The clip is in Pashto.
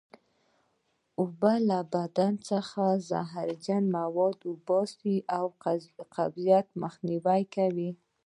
اوبه له بدن څخه زهرجن مواد وباسي او قبضیت مخنیوی کوي